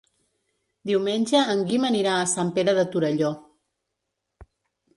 Diumenge en Guim anirà a Sant Pere de Torelló.